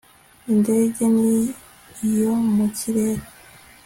indege ni iyo mu kirere